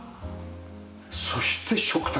そして食卓。